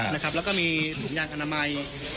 นะครับแล้วก็มีถุงงานออนามัย